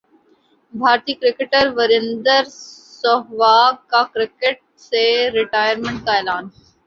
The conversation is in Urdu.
بھارتی کرکٹر وریندر سہواگ کا کرکٹ سے ریٹائرمنٹ کا اعلان